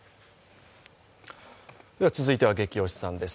続いてはゲキ推しさんです